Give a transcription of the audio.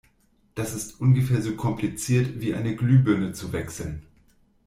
Das ist ungefähr so kompliziert, wie eine Glühbirne zu wechseln.